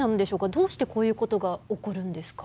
どうしてこういうことが起こるんですか？